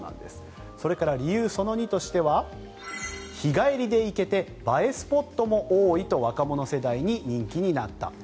それから、理由その２としては日帰りで行けて映えスポットも多いと若者世代に人気になった。